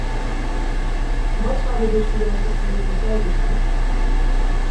Wat zouden dus de juiste prioriteiten zijn?